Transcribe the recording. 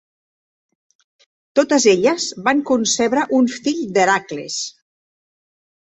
Totes elles van concebre un fill d'Hèracles.